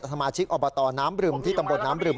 สมาชิกอบตน้ำบรึมที่ตำบลน้ำบรึม